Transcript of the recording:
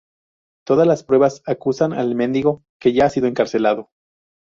Todas las pruebas acusan al mendigo, que ya ha sido encarcelado.